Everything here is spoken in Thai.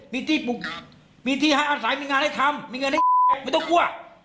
มีที่อาศัยมีงานให้ทำมีเงินให้ไม่ต้องกลัว